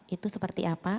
itu seperti apa